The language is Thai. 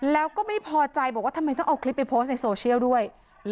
แล้วก็ไม่พอใจบอกว่าทำไมต้องเอาคลิปไปโพสต์ในโซเชียลด้วย